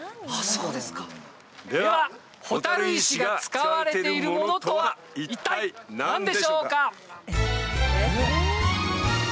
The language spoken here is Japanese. そうですかでは蛍石が使われているものとは一体何でしょうか？